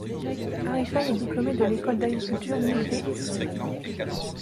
Harifai est diplômée de l'école d'agriculture Mikvé-Israël.